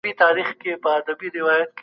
استازي څنګه سیاسي بندیان خوشي کوي؟